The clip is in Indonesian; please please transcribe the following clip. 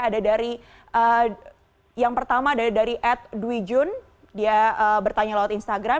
ada dari yang pertama dari ad dwi jun dia bertanya lewat instagram